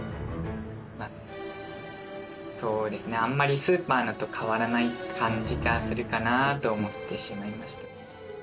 まあそうですねあんまりスーパーのと変わらない感じがするかなと思ってしまいました。